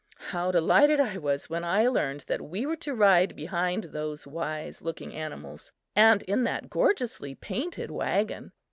How delighted I was when I learned that we were to ride behind those wise looking animals and in that gorgeously painted wagon!